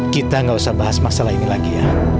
kita gak usah bahas masalah ini lagi ya